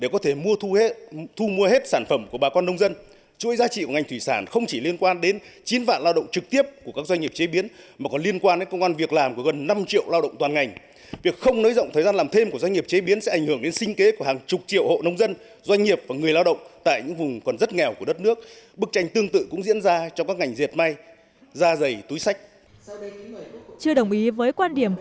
chưa đồng ý với quan điểm của đại biểu vũ tiến lộc về thời gian làm việc bình thường và tăng giờ làm thêm